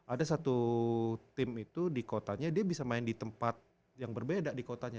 ada satu tim itu di kotanya dia bisa main di tempat yang berbeda di kotanya